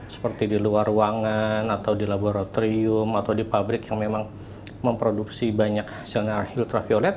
seperti di luar ruangan atau di laboratorium atau di pabrik yang memang memproduksi banyak sinar hiltraviolet